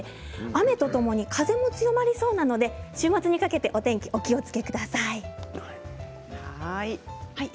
雨とともに風も強まりそうなので週末にかけてお天気お気をつけください。